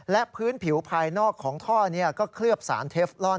และพื้นผิวภายนอกของท่อนี้ก็เคลือบสารเทฟลอน